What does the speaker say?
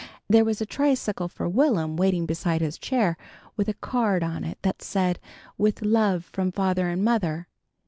There was a tricycle for Will'm waiting beside his chair, with a card on it that said "With love from father and mother."